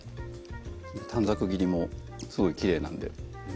短冊切りもすごいきれいなんでうん